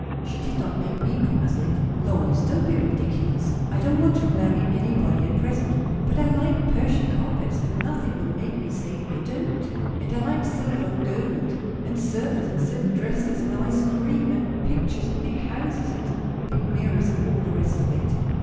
"She did not make me promise it. Lois, don't be ridiculous. I don't want to marry anybody at present; but I like Persian carpets, and nothing will make me say I don't. And I like silver and gold; and servants, and silk dresses, and ice cream, and pictures, and big houses, and big mirrors, and all the rest of it."